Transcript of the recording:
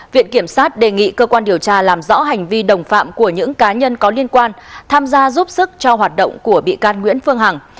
viện kiểm sát đề nghị cơ quan điều tra làm rõ hành vi đồng phạm của những cá nhân có liên quan tham gia giúp sức cho hoạt động của bị can nguyễn phương hằng